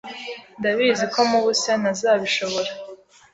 ndabizi ko mpubutse ntazabishobora